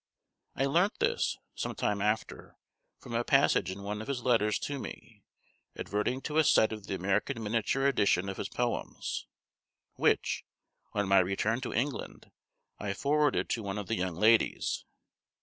I learnt this, some time after, from a passage in one of his letters to me, adverting to a set of the American miniature edition of his poems, which, on my return to England, I forwarded to one of the young ladies.